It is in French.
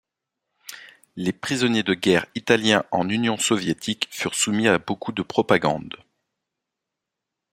Les prisonniers de guerre italiens en Union soviétique furent soumis à beaucoup de propagande.